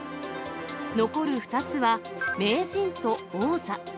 残る２つは名人と王座。